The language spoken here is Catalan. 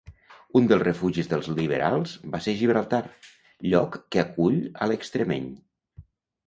Un dels refugis dels liberals va ser Gibraltar, lloc que acull a l'extremeny.